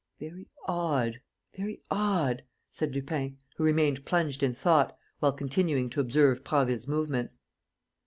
"Very odd, very odd," said Lupin, who remained plunged in thought, while continuing to observe Prasville's movements.